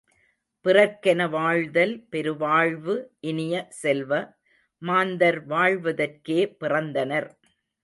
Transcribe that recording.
பிறர்க்கென வாழ்தல் பெருவாழ்வு இனிய செல்வ, மாந்தர் வாழ்வதற்கே பிறந்தனர்.